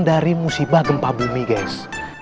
dari musibah gempa bumi gas